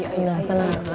ya oma juga ganti deh